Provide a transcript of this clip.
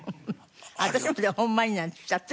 私まで「ホンマに」なんて言っちゃって。